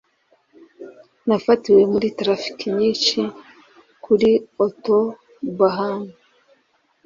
Nafatiwe muri traffic nyinshi kuri Autobahn.